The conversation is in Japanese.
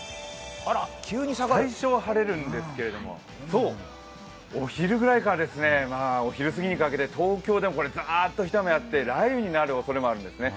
最初は晴れるんですけど、お昼ぐらいから、お昼にかけて東京でも一雨あって雷雨になるおそれもあるんですね。